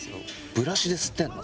ブラシで吸ってんの？